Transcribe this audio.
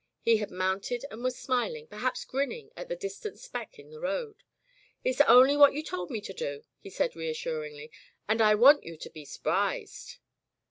He had mounted and was smiling — perhaps grinning — at the distant speck in the road. "It's only what you told me to do," he said reassuringly, "and I want you to be s'prized."